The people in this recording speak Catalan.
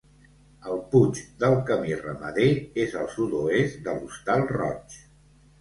El Puig del Camí Ramader és al sud-oest de l'Hostal Roig.